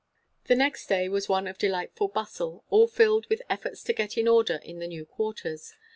The next day was one of delightful bustle; all filled with efforts to get in order in the new quarters.